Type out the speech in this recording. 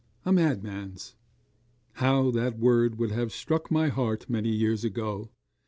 a madman's! How that word would have struck to my heart, many years ago!